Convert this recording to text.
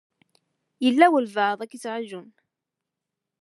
Yella walebɛaḍ i k-yettṛajun.